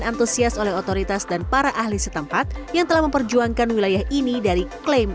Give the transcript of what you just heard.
antusias oleh otoritas dan para ahli setempat yang telah memperjuangkan wilayah ini dari klaim